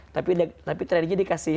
tapi tradingnya dikasih